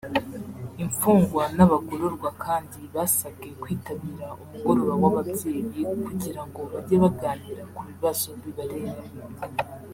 Imfungwa n’abagororwa kandi basabwe kwitabira umugoroba w’ababyeyi kugira ngo bajye baganira ku bibazo bibareba